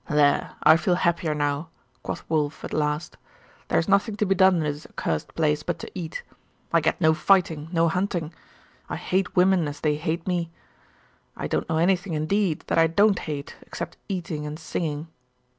'There. I feel happier now!' quoth Wulf, at last. 'There is nothing to be done in this accursed place but to eat. I get no fighting, no hunting. I hate women as they hate me. I don't know anything indeed, that I don't hate, except eating and singing.